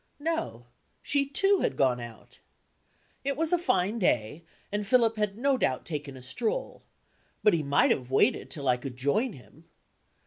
No; she, too, had gone out. It was a fine day, and Philip had no doubt taken a stroll but he might have waited till I could join him.